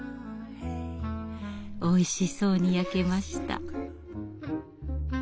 おいしそうに焼けました。